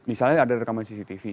misalnya ada rekaman cctv